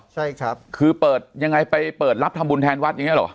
ใช่ครับคือเปิดยังไงไปเปิดรับทำบุญแทนวัดอย่างเงี้เหรอ